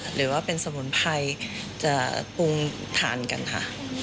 หรือว่าเป็นสมุนไพรจะปรุงทานกันค่ะ